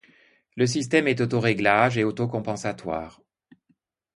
Le système est auto-réglage et auto-compensatoire.